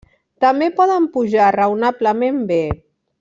També poden pujar raonablement bé.